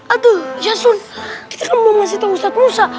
aduh yasun kita ngomongin ustadz musa